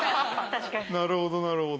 なるほどなるほど。